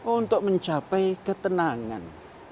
untuk mencapai ketenangan